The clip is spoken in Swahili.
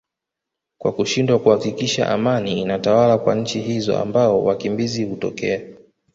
kwa kushindwa kuhakikisha amani inatawala kwa nchi hizo ambao wakimbizi hutokea